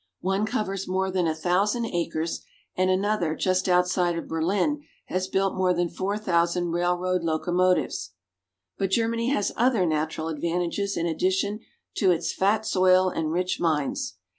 One covers more than a thousand acres, and another, just outside of Berlin, has built more than four thousand railroad loco motives. But Germany has other 'natural advantages in addition to its fat soil and rich mines.